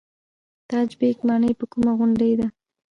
تاج بیګ ماڼۍ په کومه غونډۍ ده؟